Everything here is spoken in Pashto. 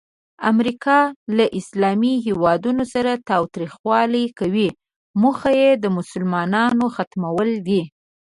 امریکا له اسلامي هیوادونو سره تاوتریخوالی کوي، موخه یې د مسلمانانو ختمول دي.